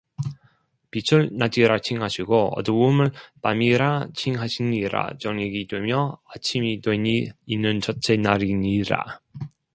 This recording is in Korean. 빛을 낮이라 칭하시고 어두움을 밤이라 칭하시니라 저녁이 되며 아침이 되니 이는 첫째 날이니라